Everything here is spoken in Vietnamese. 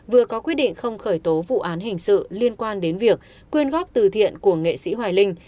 vừa có quyết định không khởi tố vụ án hình sự liên quan đến việc quyên góp từ thiện của nghệ sĩ hoài linh